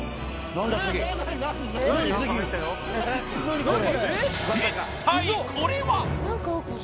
何これ！？